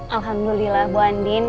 alhamdulillah bu andien